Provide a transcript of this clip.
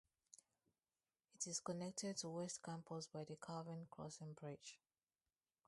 It is connected to west campus by the Calvin Crossing bridge.